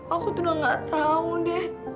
aku tuh udah gak tau deh